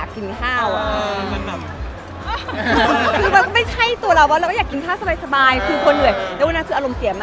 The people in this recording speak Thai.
ข้ำโจ๊กเป็นคนทุกไม่เป็นอย่างเดียว